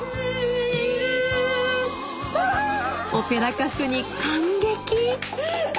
オペラ歌手に感激！